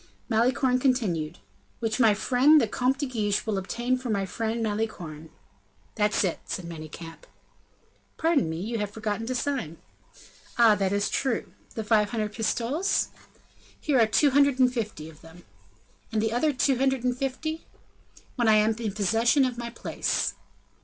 Malicorne continued: "Which my friend the Comte de Guiche will obtain for my friend Malicorne." "That's it," said Manicamp. "Pardon me, you have forgotten to sign." "Ah! that is true. The five hundred pistoles?" "Here are two hundred and fifty of them." "And the other two hundred and fifty?" "When I am in possession of my place."